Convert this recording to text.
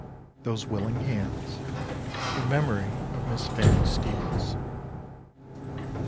Those Willing Hands IN MEMORY OF MISS FANNIE STEVENS.